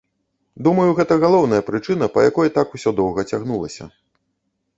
Думаю, гэта галоўная прычына, па якой так усё доўга цягнулася.